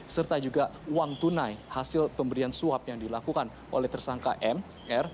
serta juga uang tunai hasil pemberian suap yang dilakukan oleh tersangka mr